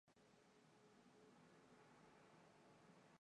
En Lanzhou se sirve a menudo frito.